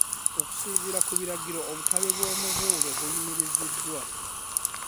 Okusinziira ku biragiro, obutale bw’omubuulo buyimiriziddwa.